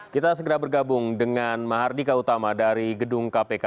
kita segera bergabung dengan mahardika utama dari gedung kpk